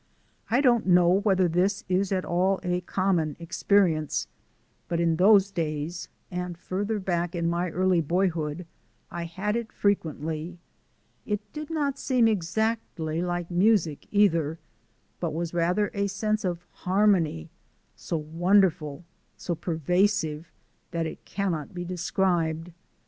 I don't know whether this is at all a common experience, but in those days (and farther back in my early boyhood) I had it frequently. It did not seem exactly like music either, but was rather a sense of harmony, so wonderful, so pervasive that it cannot be described.